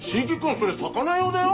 それ魚用だよ。